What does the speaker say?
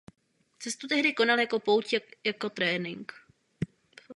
Cestu tehdy konal jako pouť i jako trénink.